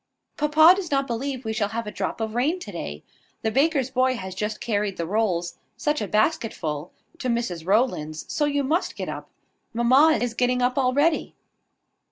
Papa does not believe we shall have a drop of rain to day. The baker's boy has just carried the rolls, such a basket full! to Mrs Rowland's: so you must get up. Mamma is getting up already."